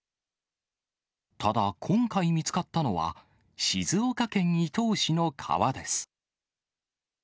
ただ今回見つかったのは、静岡県伊東市の川です。